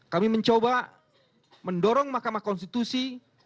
kami mencoba mendorong mahkamah konstitusi